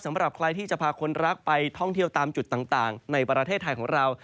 สำหรับใครที่จะพาคนรักไปท่องเที่ยวตามจุดต่างในประเทศไทยของเรา